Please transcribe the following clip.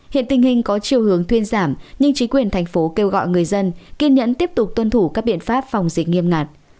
hiện tình hình có chiều hướng thuyên giảm nhưng chính quyền thành phố kêu gọi người dân kiên nhẫn tiếp tục tuân thủ các biện pháp phòng dịch nghiêm ngặt